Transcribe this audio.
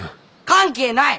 関係ない！